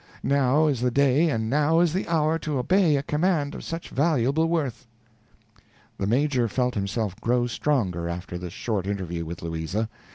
Now is the day and now is the hour to obey a command of such valuable worth." The Major felt himself grow stronger after this short interview with Louisa.